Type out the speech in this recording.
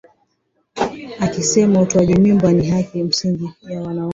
akisema utoaji mimba ni haki msingi ya mwanamke